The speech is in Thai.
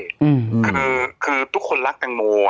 คือคือทุกคนรักตังโม